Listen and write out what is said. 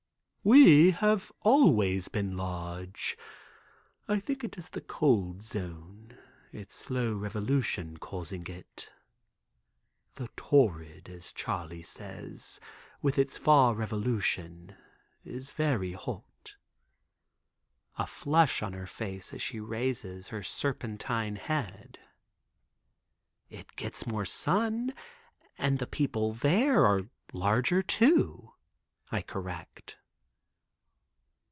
"We have always been large. I think it is the cold zone; its slow revolution causing it. The torrid, as Charley says, with its far revolution is very hot." A flush on her face as she raises her serpentine head. "It gets more sun and the people there are larger, too," I correct.